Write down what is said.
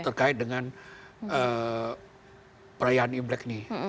terkait dengan perayaan imlek ini